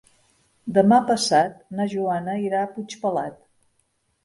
Demà passat na Joana irà a Puigpelat.